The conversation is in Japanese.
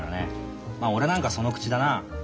まあ俺なんかその口だな。